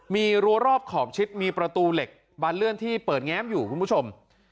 มีรั้วรอบขอบชิดมีประตูเหล็กบานเลื่อนที่เปิดแง้มอยู่คุณผู้ชม